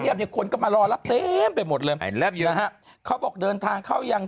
เงียบเนี่ยคนก็มารอรับเต็มไปหมดเลยเขาบอกเดินทางเข้ายัง